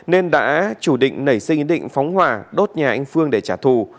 nên đã chủ định nảy sinh ý định phóng hỏa đốt nhà anh phương để trả thù